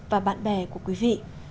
và bạn bè của quý vị